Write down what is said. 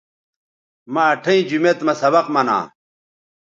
مہ اٹھئیں جومیت مہ سبق منا